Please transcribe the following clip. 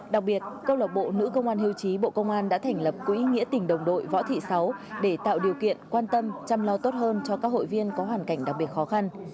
đặc biệt câu lạc bộ nữ công an hiêu chí bộ công an đã thành lập quỹ nghĩa tỉnh đồng đội võ thị sáu để tạo điều kiện quan tâm chăm lo tốt hơn cho các hội viên có hoàn cảnh đặc biệt khó khăn